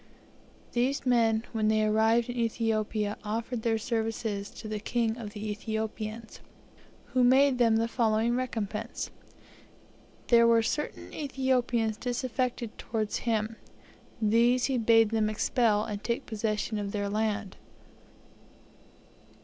These men, when they arrived in Ethiopia, offered their services to the king of the Ethiopians, who made them the following recompense. There were certain Ethiopians disaffected towards him; these he bade them expel, and take possession of their land.